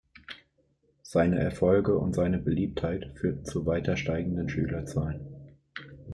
Seine Erfolge und seine Beliebtheit führten zu weiter steigenden Schülerzahlen.